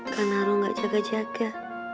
kan aroh gak jaga jaga